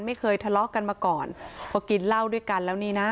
ไม่เคยทะเลาะกันมาก่อนพอกินเหล้าด้วยกันแล้วนี่นะ